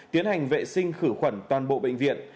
tiến hành vệ sinh khử khuẩn toàn bộ bệnh viện